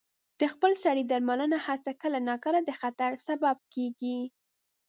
د خپل سرې درملنې هڅه کله ناکله د خطر سبب کېږي.